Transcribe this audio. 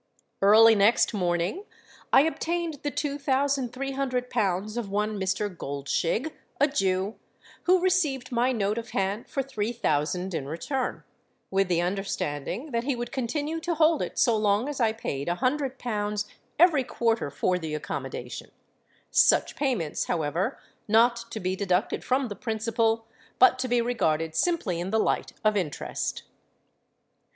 Early next morning I obtained the two thousand three hundred pounds of one Mr. Goldshig, a Jew, who received my note of hand for three thousand in return, with the understanding that he would continue to hold it so long as I paid a hundred pounds every quarter for the accommodation—such payments, however, not to be deducted from the principal, but to be regarded simply in the light of interest.